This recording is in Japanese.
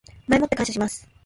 前もって感謝します